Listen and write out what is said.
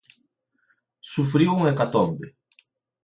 Sufriu unha hecatombe.